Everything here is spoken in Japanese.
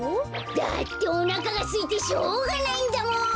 だっておなかがすいてしょうがないんだもん。